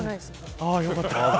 ああ良かった。